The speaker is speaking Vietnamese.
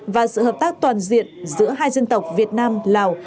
và sự hợp tác toàn diện giữa hai dân tộc việt nam lào